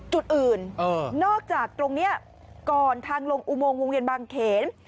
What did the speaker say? จุดอื่นนอกจากตรงนี้ก่อนทางลงอุโมงวงเวียนบางเขน